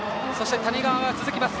谷川が続きます。